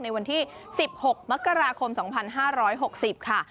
ในวันที่๑๖มกราคม๒๕๖๐ค่ะ